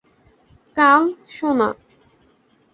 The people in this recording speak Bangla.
কাল, সোনা।